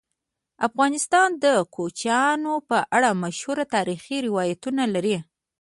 افغانستان د کوچیان په اړه مشهور تاریخی روایتونه لري.